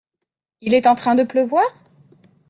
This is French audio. Il est en train de pleuvoir ?